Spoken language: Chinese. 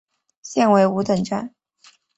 现为五等站。